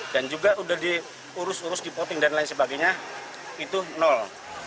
dan juga udah diurus urus di poting dan lain sebagainya itu nol